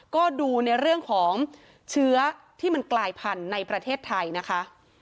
ก็ดูในเรื่องของเชื้อที่มันกลายพันธุ์ในประเทศไทยนะคะ